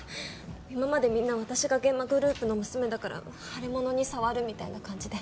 今までみんな私が諫間グループの娘だから腫れ物に触るみたいな感じで。